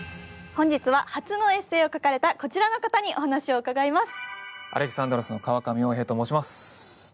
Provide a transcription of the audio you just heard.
本日は初のエッセーを書かれたこちらの方にお話を伺います。